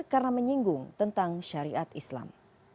karena menyinggung tentang syariat islam